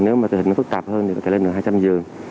nếu mà tình hình nó phức tạp hơn thì có thể lên hai trăm linh giường